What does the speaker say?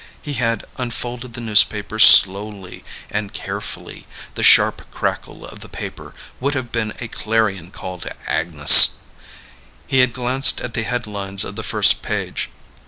He had unfolded the newspaper slowly and carefully, the sharp crackle of the paper would have been a clarion call to Agnes. He had glanced at the headlines of the first page.